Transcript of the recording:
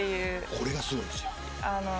これがすごいんですよ。